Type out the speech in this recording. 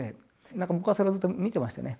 何か僕はそれをずっと見てましてね。